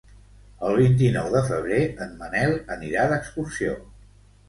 El vint-i-nou de febrer en Manel anirà d'excursió.